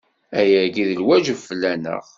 Ayagi d lwajeb fell-aneɣ.